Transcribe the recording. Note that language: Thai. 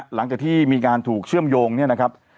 หลังจากที่มีการถูกเชื่อมโยงเนี่ยนะครับ